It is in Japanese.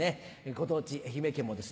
ご当地愛媛県もですね